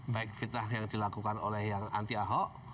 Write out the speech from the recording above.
baik fitnah yang dilakukan oleh yang anti ahok